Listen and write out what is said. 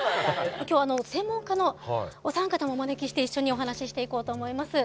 今日は専門家のお三方もお招きして一緒にお話ししていこうと思います。